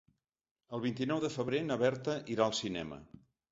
El vint-i-nou de febrer na Berta irà al cinema.